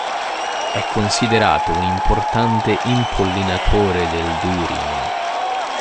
È considerato un'importante impollinatore del Durian.